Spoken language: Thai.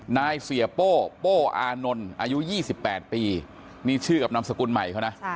นายเสียโป้โป้อานนท์อายุ๒๘ปีนี่ชื่อกับนามสกุลใหม่เขานะ